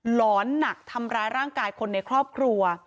หอนหนักทำร้ายร่างกายคนในครอบครัว